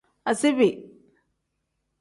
Asiibi.